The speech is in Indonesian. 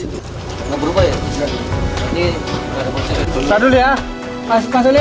jadi nggak ada posisi